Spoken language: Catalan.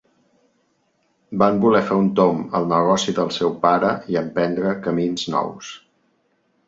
Van voler fer un tomb al negoci del seu pare i emprendre camins nous.